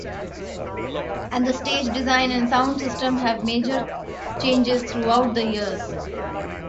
And the stage design and sound system have major changes throughout the years.